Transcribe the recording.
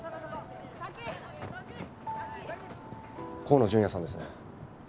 河野純也さんですね？